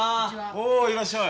おいらっしゃい。